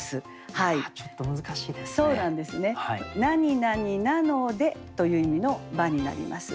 「なになになので」という意味の「ば」になります。